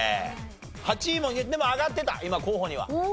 ８位もでも挙がってた今候補には。